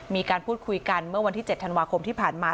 มีการพูดคุยกันเมื่อวันที่๗ธันวาคมที่ผ่านมา